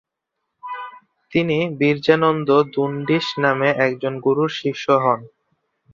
তিনি বিরজানন্দ দণ্ডিশ নামে একজন গুরুর শিষ্য হন।